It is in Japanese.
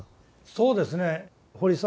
そうですね堀澤